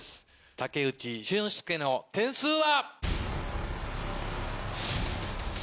武内駿輔の点数は？